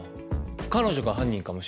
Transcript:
彼女が犯人かもしれない